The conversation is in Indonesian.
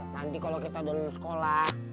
nanti kalo kita udah udah sekolah